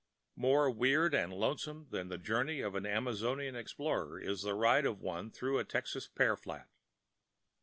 More weird and lonesome than the journey of an Amazonian explorer is the ride of one through a Texas pear flat.